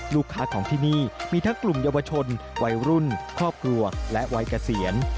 ลูกค้าของที่นี่มีทั้งกลุ่มเยาวชนวัยรุ่นครอบครัวและวัยเกษียณ